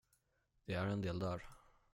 Det är en del där.